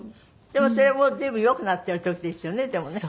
でもそれも随分よくなっている時ですよねでもね。